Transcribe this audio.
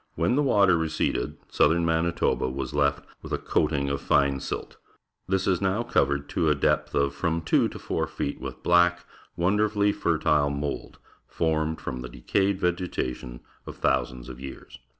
When the water receded, southern Manitoba was left with a coating of fine silt. This is now covered to a depth of from two to four feet with black, wonderfully fertile mould, formed from the decaj'ed vegetation of thousands of years.